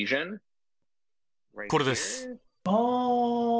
これです。